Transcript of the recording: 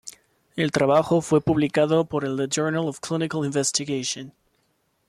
El trabajo fue publicado por el The Journal of Clinical Investigation.